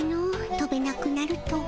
飛べなくなるとは。